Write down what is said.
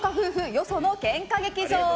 よその喧嘩劇場。